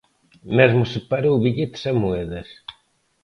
Mesmo separou billetes e moedas.